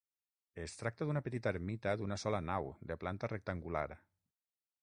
Es tracta d'una petita ermita d'una sola nau, de planta rectangular.